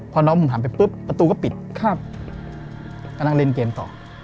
พอน้องผมถามไปปุ๊บประตูก็ปิดครับก็นั่งเล่นเกมต่อ